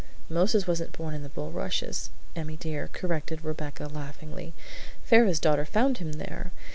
"Moses wasn't born in the bulrushes, Emmy dear," corrected Rebecca laughingly. "Pharaoh's daughter found him there.